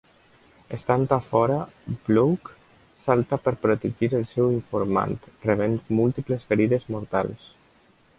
Estant a fora, Bloke salta per protegir el seu informant, rebent múltiples ferides mortals.